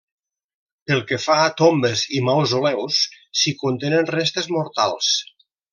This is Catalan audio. Pel que fa a tombes i mausoleus, si contenen restes mortals.